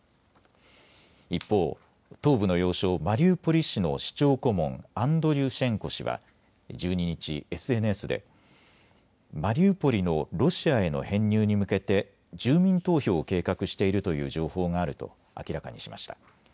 一方、東部の要衝マリウポリ市の市長顧問、アンドリュシェンコ氏は１２日、ＳＮＳでマリウポリのロシアへの編入に向けて住民投票を計画しているという情報があると明らかにしました。